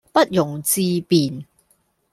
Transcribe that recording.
不容置辯